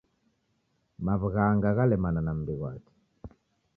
Maw'ughanga ghalemana na mbi ghwake.